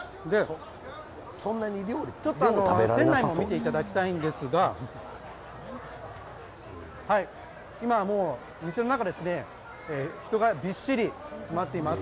店内見ていただきたいんですが今、店の中、人がびっしり詰まっています。